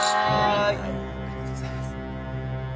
ありがとうございます。